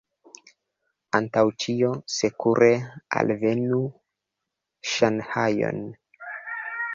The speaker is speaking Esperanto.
Antaŭ ĉio, sekure alvenu Ŝanhajon.